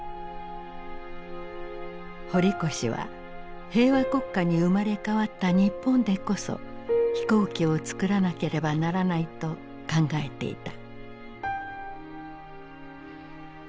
堀越は平和国家に生まれ変わった日本でこそ飛行機をつくらなければならないと考えていた。